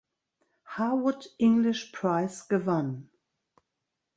Harwood English Prize gewann.